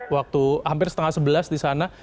waktu hampir setengah sebelas di sana